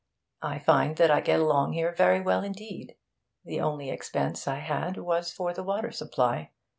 I find that I get along here very well indeed. The only expense I had was for the water supply.